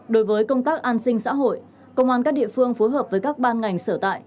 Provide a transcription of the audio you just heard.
đối với công tác an sinh xã hội công an các địa phương phối hợp với các ban ngành sở tại